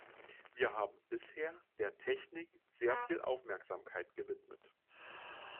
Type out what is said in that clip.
Wir haben bisher der Technik sehr viel Aufmerksamkeit gewidmet.